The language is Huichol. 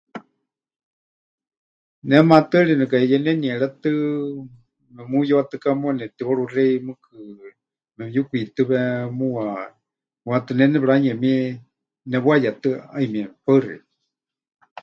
Ne maatɨari nekaheyenenierétɨ memuyuatɨká muuwa nepɨtiwaruxei, mɨɨkɨ memɨyukwitɨwe muuwa, waʼaatɨ ne nepɨranuyemie, nepɨwayetɨa ˀayumieme. Paɨ xeikɨ́a.